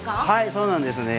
はい、そうなんです。